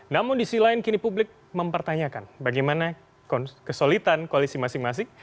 namun di sisi lain kini publik mempertanyakan bagaimana kesulitan koalisi masing masing